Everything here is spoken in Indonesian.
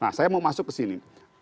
nah saya mau masuk ke sini